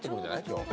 今日。